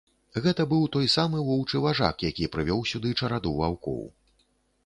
Гэта быў той самы воўчы важак, які прывёў сюды чараду ваўкоў.